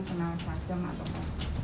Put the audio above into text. kena sajam atau apa